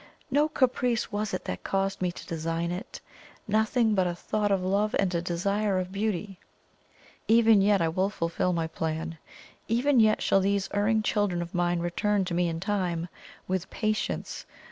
No caprice was it that caused me to design it; nothing but a thought of love and a desire of beauty. Even yet I will fulfil my plan even yet shall these erring children of mine return to me in time, with patience.